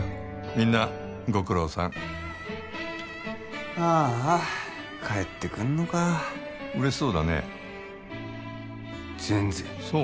みんなご苦労さんああ帰ってくんのか嬉しそうだね全然そう？